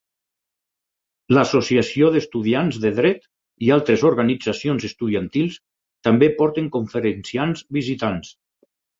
L'Associació d'estudiants de dret i altres organitzacions estudiantils també porten conferenciants visitants.